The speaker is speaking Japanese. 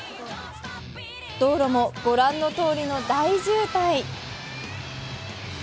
道路もご覧のとおりの大渋滞。